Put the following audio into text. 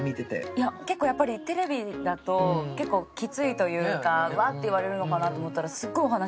いややっぱりテレビだと結構きついというかワッて言われるのかなと思ったらすごいお話聞いてくれるし。